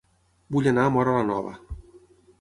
Vull anar a Móra la Nova